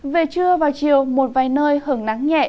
về trưa và chiều một vài nơi hứng nắng nhẹ